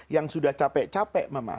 yang sudah capek capek mama